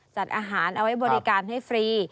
จัดอาหารเอาไว้บริการให้ฟรี